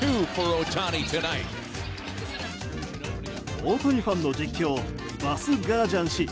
大谷ファンの実況バスガージアン氏。